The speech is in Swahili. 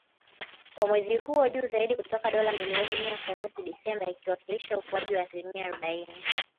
Kwa mwezi huo, juu zaidi kutoka dola milioni mia mwezi Disemba, ikiwasilisha ukuaji wa asilimia arubaini